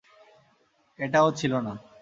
এটা ও ছিল না।